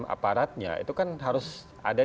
aparatnya itu kan harus ada